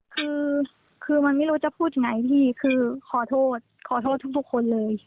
คือคือมันไม่รู้จะพูดยังไงพี่คือขอโทษขอโทษทุกคนเลย